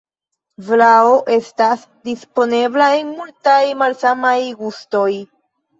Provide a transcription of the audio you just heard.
Vlao estas disponebla en multaj malsamaj gustoj.